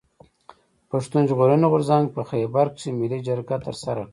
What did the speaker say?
پښتون ژغورني غورځنګ په خېبر کښي ملي جرګه ترسره کړه.